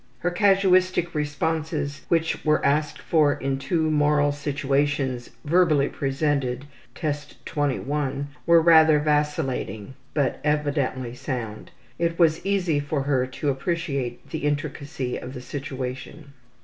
Her casuistic responses which were asked for in two moral situations, verbally presented, Test XXI, were rather vacillating, but evidently sound. It was easy for her to appreciate the intricacy of the situation.